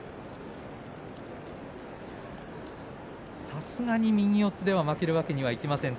さすがに右四つでは負けるわけにはいきません